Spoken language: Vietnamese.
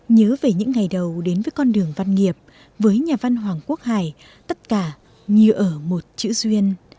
nhớ về những ngày đầu đến với con đường văn nghiệp với nhà văn hoàng quốc hải tất cả như ở một chữ duyên